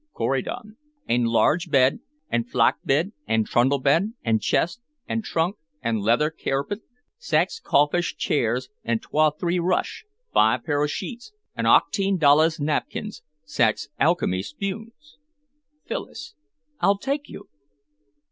Corydon. "Ane large bed, ane flock bed, ane trundle bed, ane chest, ane trunk, ane leather cairpet, sax cawfskin chairs an' twa three rush, five pair o' sheets an' auchteen dowlas napkins, sax alchemy spunes" Phyllis. "I'll take you."